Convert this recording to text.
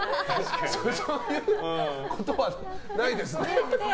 そういうことはないですね。